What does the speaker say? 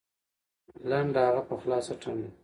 لنډه هغه په خلاصه ټنډه